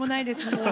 もう。